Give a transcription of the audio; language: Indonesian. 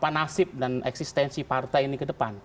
nasib dan eksistensi partai ini ke depan